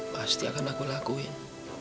pasti akan aku lakuin